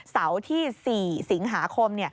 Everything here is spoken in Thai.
เสาร์ที่๔สิงหาคม